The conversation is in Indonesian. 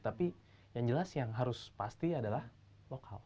tapi yang jelas yang harus pasti adalah lokal